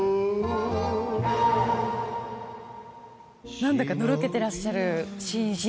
何だかのろけてらっしゃるシーン